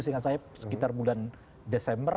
sekitar bulan desember